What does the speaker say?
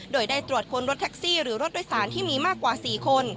โดยได้ตรวจค้นรถแท็กซี่หรือรถโดยสารที่มีมากกว่า๔คน